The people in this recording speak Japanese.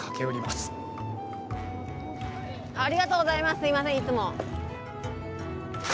すいません、いつも。